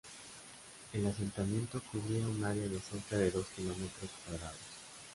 El asentamiento cubría un área de cerca de dos kilómetros cuadrados.